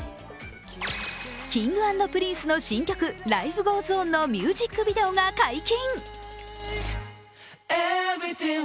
Ｋｉｎｇ＆Ｐｒｉｎｃｅの新曲「Ｌｉｆｅｇｏｅｓｏｎ」のミュージックビデオが解禁。